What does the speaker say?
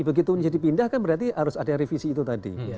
begitu ini dipindahkan berarti harus ada revisi itu tadi